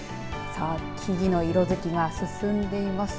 さあ、木々の色づきが進んでいます。